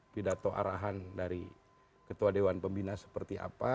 pidato arahan dari ketua dewan pembina seperti apa